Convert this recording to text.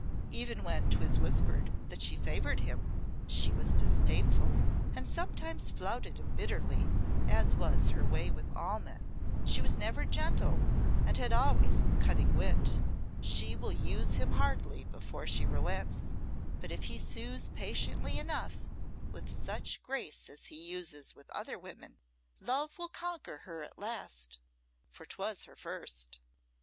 Even when 'twas whispered that she favoured him, she was disdainful, and sometimes flouted him bitterly, as was her way with all men. She was never gentle, and had always a cutting wit. She will use him hardly before she relents; but if he sues patiently enough with such grace as he uses with other women, love will conquer her at last, for 'twas her first."